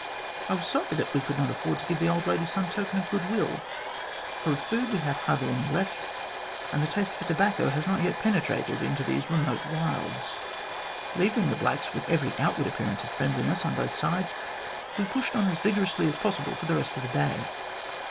I was sorry that we could not afford to give the old lady some token of good will, for of food we had hardly any left, and the taste for tobacco had not yet penetrated into these remote wilds. Leaving the blacks with every outward appearance of friendliness on both sides, we pushed on as vigorously as possible for the rest of the day.